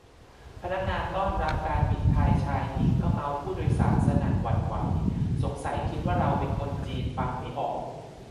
พนักงานต้อนรับการบินไทยชายหญิงก็เมาท์ผู้โดยสารสนั่นหวั่นไหว สงสัยคิดว่าเราเป็นคนจีนฟังไม่ออก